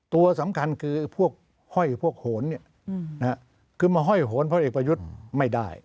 ตัวสำคัญคือพวกห้อยพวกโหนคือมาห้อยโหนพลเอกประยุทธ์ไม่ได้